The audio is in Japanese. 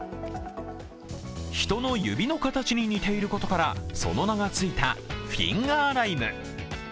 ひとの指の形に似ていることからその名がついた、フィンガーライム。